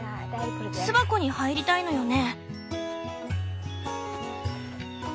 巣箱に入りたいのよね？